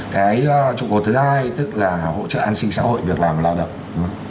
cái trụ cột thứ hai tức là hỗ trợ an sinh xã hội việc làm lao động